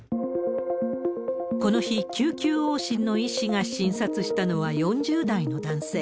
この日、救急往診の医師が診察したのは４０代の男性。